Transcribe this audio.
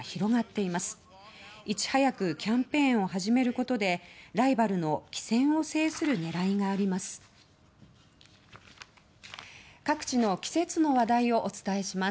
いち早くキャンペーンを始めることでライバルの機先を制する狙いがあります。